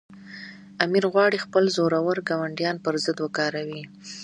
امیر غواړي خپل زورور ګاونډیان پر ضد وکاروي.